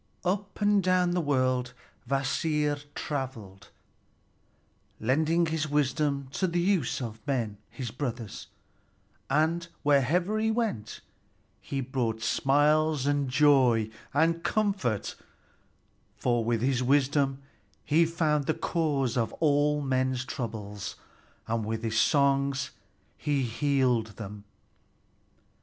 Up and down the world Kvasir traveled, lending his wisdom to the use of men, his brothers; and wherever he went he brought smiles and joy and comfort, for with his wisdom he found the cause of all men's troubles, and with his songs he healed them.